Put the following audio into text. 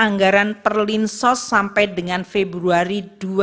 anggaran perlinsos sampai dengan februari dua ribu dua puluh